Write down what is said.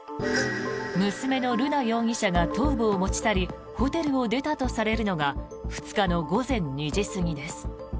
娘の瑠奈容疑者が頭部を持ち去りホテルを出たとされるのが２日の午前２時過ぎです。